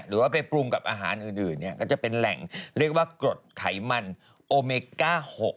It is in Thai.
หรือว่าไปปรุงกับอาหารอื่นเนี่ยก็จะเป็นแหล่งเรียกว่ากรดไขมันโอเมก้า๖